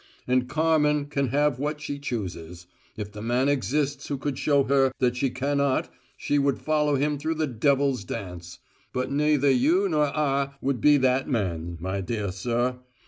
And Carmen can have what she chooses; if the man exists who could show her that she cannot, she would follow him through the devil's dance; but neither you nor I would be that man, my dear sir.